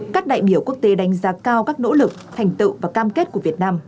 các đại biểu quốc tế đánh giá cao các nỗ lực thành tựu và cam kết của việt nam